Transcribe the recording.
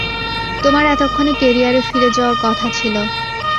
তোমার এতক্ষণে ক্যারিয়ারে ফিরে যাওয়ার কথা ছিল!